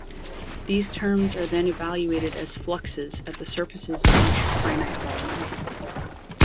These terms are then evaluated as fluxes at the surfaces of each finite volume.